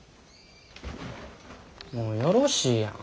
もうよろしいやん。